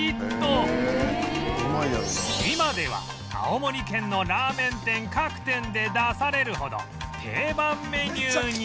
今では青森県のラーメン店各店で出されるほど定番メニューに